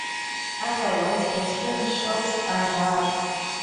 Otherwise, Western shops are rare.